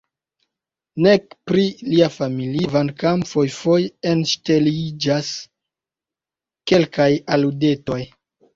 Nek pri lia familio – kvankam fojfoje enŝteliĝas kelkaj aludetoj.